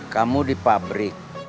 kamu di pabrik